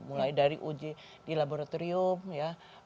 mulai dari uji di laboratorium ya